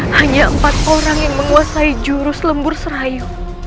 hanya empat orang yang menguasai jurus lembur serayu